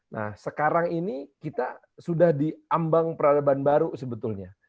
nah sekarang ini kita sudah diambang peradaban baru sebetulnya